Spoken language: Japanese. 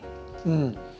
うん。